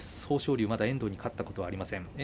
豊昇龍はまだ遠藤に勝ったことがありません。